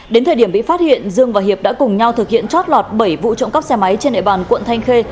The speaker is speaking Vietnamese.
đến thời điểm bị phát hiện dương và hiệp đã cùng nhau thực hiện chót lọt bảy vụ trộm cắp xe máy trên địa bàn quận thanh khê